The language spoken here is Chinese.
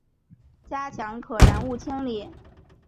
加强可燃物清理